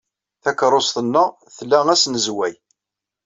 Takeṛṛust-nneɣ tla asnezway.